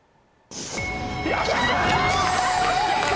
やった！